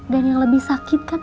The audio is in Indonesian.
dan yang lebih sakit kan